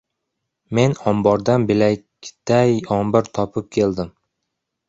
Men ombordan bilakday-ombir topib keldim.